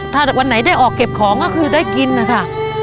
ถ้าวันไหนได้ออกเก็บของก็คือได้กินนะคะ